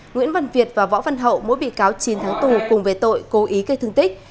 nguyễn văn việt và võ văn hậu mỗi bị cáo chín tháng tù cùng về tội cố ý gây thương tích